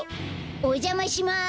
おじゃまします。